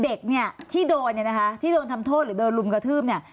เด็กที่โดนนะคะที่โดนทำโทษหรือโดนรุมกระทืบเนี่ย